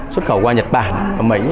xuất khẩu qua nhật bản và mỹ